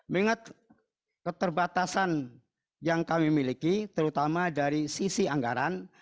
mengingat keterbatasan yang kami miliki terutama dari sisi anggaran